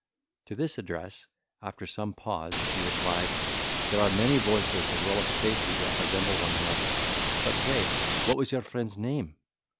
To this address, after some pause, he replied, "There are many voices as well as faces that resemble one another; but, pray, what was your friend's name."